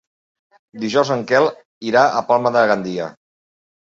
Dijous en Quel irà a Palma de Gandia.